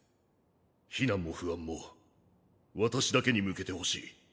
非難も不安も私だけに向けてほしい。